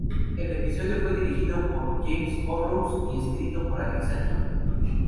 El episodio fue dirigido por James Burrows y escrito por Alexa Junge.